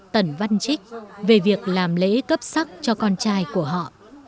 tần văn trích về việc làm lễ cấp sắc cho con trai của họ